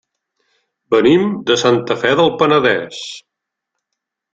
Venim de Santa Fe del Penedès.